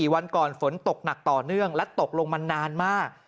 วันก่อนฝนตกหนักต่อเนื่องและตกลงมานานมาก